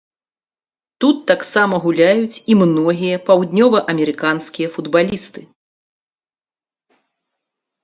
Тут таксама гуляюць і многія паўднёваамерыканскія футбалісты.